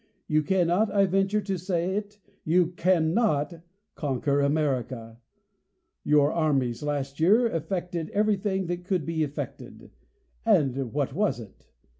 You cannot, I venture to say it, you CANNOT conquer America. Your armies, last year, effected every thing that could be effected ; and what was it